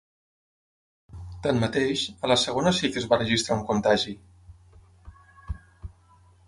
Tanmateix, a la segona sí que es va registrar un contagi.